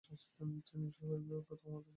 তিনিসহ এ বিভাগে তখন মাত্র তিনজন শিক্ষার্থী ছিলেন।